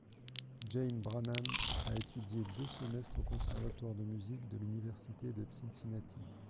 Jay Brannan a étudié deux semestres au Conservatoire de musique de l'Université de Cincinnati.